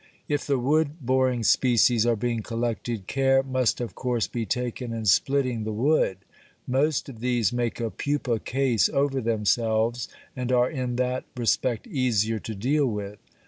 If the wood boring species are being collected, care must of course be taken in splitting the wood; most of these make a pupa case over themselves, and are in that respect easier to deal with.